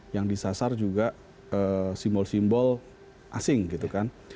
yang disasar juga simbol simbol asing gitu kan